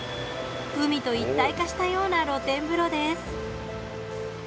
海と一体化したような露天風呂です。